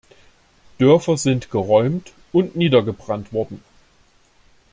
Dörfer sind geräumt und niedergebrannt worden.